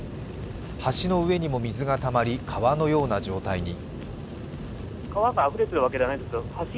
橋の上にも水がたまり川のような状態に。